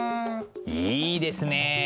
いいですねえ。